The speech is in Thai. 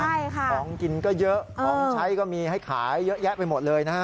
ใช่ค่ะของกินก็เยอะของใช้ก็มีให้ขายเยอะแยะไปหมดเลยนะฮะ